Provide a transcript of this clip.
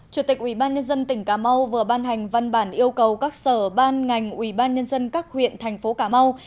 chủ tịch ubnd tỉnh cà mau vừa ban hành văn bản yêu cầu các sở ban ngành ubnd các huyện thành phố cà mau